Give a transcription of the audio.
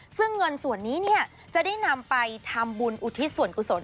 ซึ่งเงินส่วนนี้จะได้นำไปทำบุญอุทิศส่วนกุศล